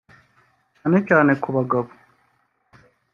cyane cyane ku bagabo